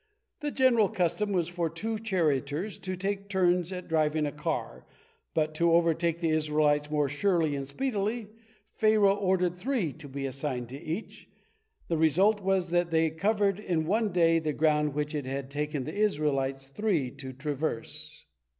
The general custom was for two charioteers to take turns at driving a car, but to overtake the Israelites more surely and speedily, Pharaoh ordered three to be assigned to each. The result was that they covered in one day the ground which it had taken the Israelites three to traverse.